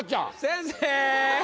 先生！